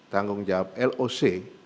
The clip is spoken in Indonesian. tanggung jawab loc